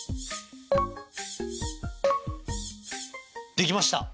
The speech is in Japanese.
できました。